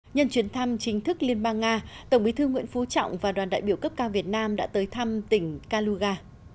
nhân chuyến thăm chính thức liên bang nga tổng bí thư nguyễn phú trọng và đoàn đại biểu cấp cao việt nam đã tới thăm tỉnh kaluga